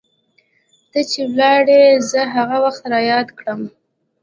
ته چې ولاړي زه هغه وخت رایاد کړم